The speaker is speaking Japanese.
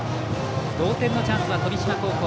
同点のチャンスは富島高校。